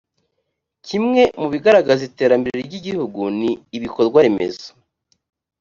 kimwe mu bigaragaza iterambere ry igihugu ni ibikorwaremezo